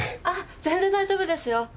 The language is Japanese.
あっ全然大丈夫ですよ。